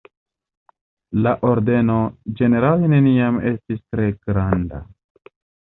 La ordeno ĝenerale neniam estis tre granda.